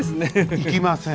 行きません。